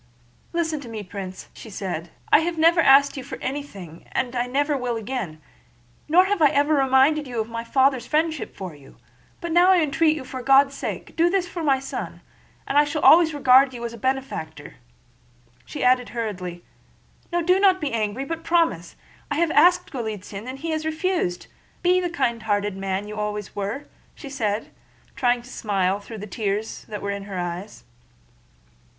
"Listen to me, Prince," said she. "I have never yet asked you for anything and I never will again, nor have I ever reminded you of my father's friendship for you; but now I entreat you for God's sake to do this for my son—and I shall always regard you as a benefactor," she added hurriedly. "No, don't be angry, but promise! I have asked Golítsyn and he has refused. Be the kindhearted man you always were," she said, trying to smile though tears were in her eyes.